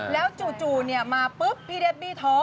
แล้วจู่มาปุ๊บพี่เดบบี้ท้อง